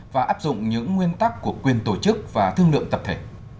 và áp dụng những nguyên tắc của quyền tổ chức và thương lượng tập thể